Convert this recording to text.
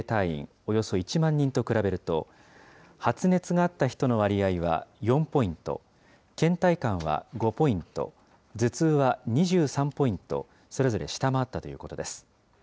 およそ１万人と比べると、発熱があった人の割合は４ポイント、けん怠感は５ポイント、頭痛は２３ポイント、それぞれ下回ったということです。